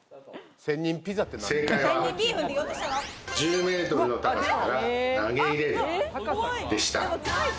１０ｍの高さから投げ入れるでした。